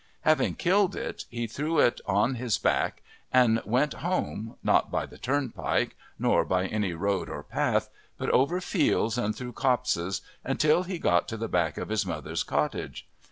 Having killed it, he threw it on his back and went home, not by the turnpike, nor by any road or path, but over fields and through copses until he got to the back of his mother's cottage.